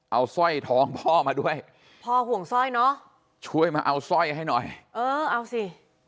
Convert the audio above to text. เอาสร้อยทองพ่อมาด้วยพ่อห่วงสร้อยเนอะช่วยมาเอาสร้อยให้หน่อยเออเอาสิ